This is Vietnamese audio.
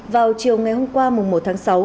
vào chiều ngày hôm qua một tháng sáu